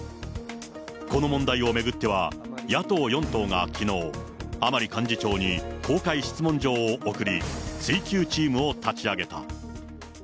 この問題を巡っては、野党４党がきのう、甘利幹事長に公開質問状を送り、追及チームを立ち上げた。